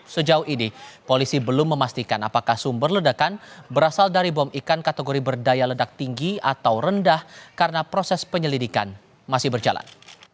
sejauh ini polisi belum memastikan apakah sumber ledakan berasal dari bom ikan kategori berdaya ledak tinggi atau rendah karena proses penyelidikan masih berjalan